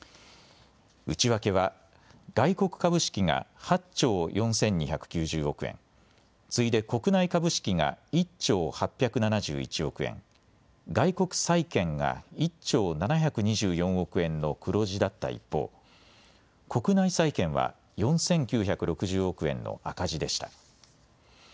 内訳は外国株式が８兆４２９０億円、次いで国内株式が１兆８７１億円、外国債券が１兆７２４億円の黒字だった一方、国内債券は４９６０億円の赤字でした。